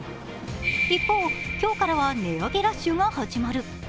一方、今日からは値上げラッシュが始まる。